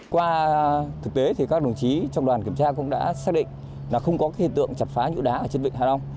qua thực tế thì các đồng chí trong đoàn kiểm tra cũng đã xác định là không có hiện tượng chặt phá những đá ở trên vịnh hạ long